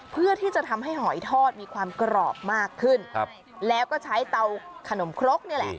เพื่อที่จะทำให้หอยทอดมีความกรอบมากขึ้นครับแล้วก็ใช้เตาขนมครกนี่แหละ